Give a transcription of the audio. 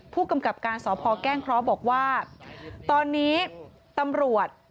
ผู้กำกับการสพแก้งเคราะห์บอกว่าตอนนี้ตำรวจ